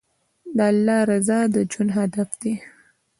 د الله رضا د ژوند هدف دی.